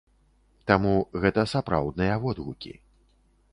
Таму, гэта сапраўдныя водгукі.